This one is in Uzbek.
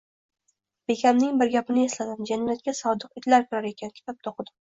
Bekamning bir gapini esladim: “Jannatga sodiq itlar kirar ekan, kitobda o‘qidim”